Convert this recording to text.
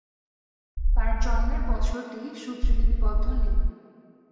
তার জন্মের বছরটি সূত্রে লিপিবদ্ধ নেই।